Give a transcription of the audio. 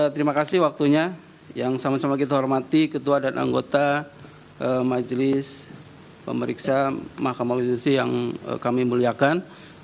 terima kasih waktunya yang sama sama kita hormati ketua dan anggota majelis pemeriksa mahkamah konstitusi yang kami muliakan